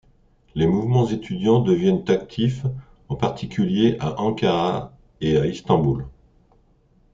Les mouvements étudiants deviennent actifs en particulier à Ankara et à Istanbul.